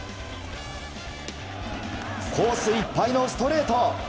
コースいっぱいのストレート。